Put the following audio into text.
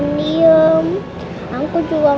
mampin aku ya pak